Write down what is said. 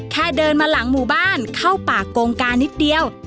แค่เดินมาหลังหมู่บ้านเข้าป่ากงกานิดเดียว